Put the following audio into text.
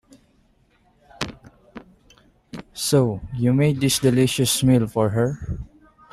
So, you made this delicious meal for her?